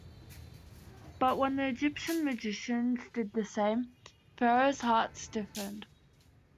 But when the Egyptian magicians did the same, Pharaoh's heart stiffened.